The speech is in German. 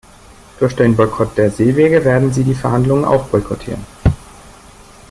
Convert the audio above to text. Durch den Boykott der Seewege werden sie die Verhandlungen auch boykottieren.